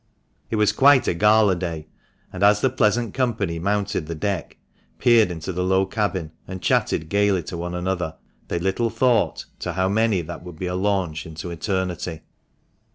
It was quite a gala day, and as the pleasant company mounted the deck, peered into the low cabin, and chatted gaily to one another, they little thought to how many that would be a launch into eternity.